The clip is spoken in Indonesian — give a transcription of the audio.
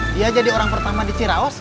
dia jadi orang pertama di ciraos